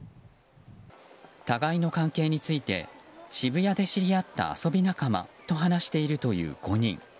互いの関係について渋谷で知り合った遊び仲間と話しているという５人。